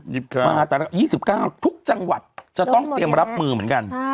มาสาระ๒๙ทุกจังหวัดจะต้องเตรียมรับมือเหมือนกัน